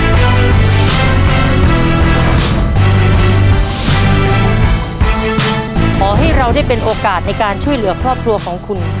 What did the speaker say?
ขอให้เราได้เป็นโอกาสในการช่วยเหลือครอบครัวของคุณ